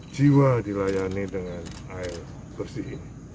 jiwa dilayani dengan air bersih